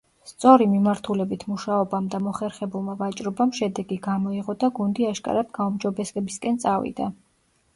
სწორი მიმართულებით მუშაობამ და მოხერხებულმა ვაჭრობამ შედეგი გამოიღო და გუნდი აშკარად გაუმჯობესებისკენ წავიდა.